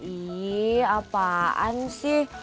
ih apaan sih